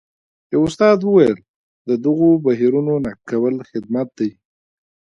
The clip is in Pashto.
یوه استاد وویل د دغو بهیرونو نقد کول خدمت دی.